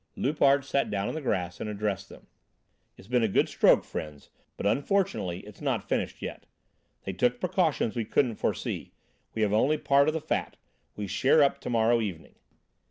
Loupart sat down on the grass and addressed them. "It's been a good stroke, friends, but unfortunately it's not finished yet. They took precautions we couldn't foresee. We have only part of the fat. We share up to morrow evening."